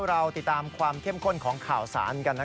เราติดตามความเข้มข้นของข่าวสารกัน